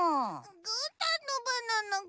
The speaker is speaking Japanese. ぐーたんのバナナぐ？